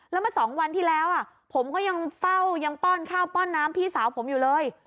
แล้วมา๒วันที่แล้วผมก็ยังเฝ้ายังป้อนข้าวป้อนน้ำพี่สาวผมอยู่เลย